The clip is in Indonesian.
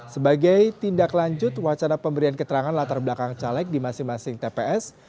sebagai tindak lanjut wacana pemberian keterangan latar belakang caleg di masing masing tps